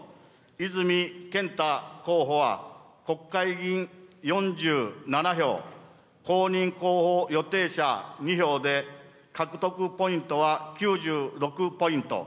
泉健太候補は、国会議員４７票、公認候補予定者２票で、獲得ポイントは９６ポイント。